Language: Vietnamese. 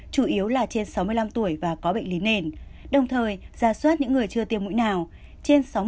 chủ yếu là trên sáu mươi năm tuổi và có bệnh lý nền đồng thời ra soát những người chưa tiêm mũi nào